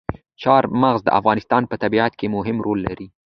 چار مغز د افغانستان په طبیعت کې مهم رول لري.